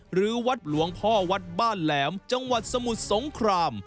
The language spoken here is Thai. หรือวัดหลวงพ่อวัดบ้านแหลมจังหวัดสมุทรสงคราม